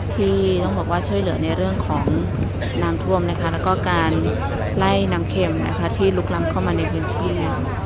ที่ต้องบอกว่าช่วยเหลือในเรื่องของน้ำท่วมแล้วก็การไล่น้ำเข็มที่ลุกล้ำเข้ามาในพื้นที่